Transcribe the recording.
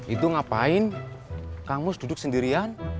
itu ngapain kamu duduk sendirian